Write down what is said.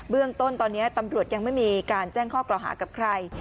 เรื่องต้นตอนนี้ตำรวจยังไม่มีการแจ้งข้อกล่าวหากับใคร